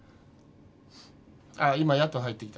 ああ今やっと入ってきた。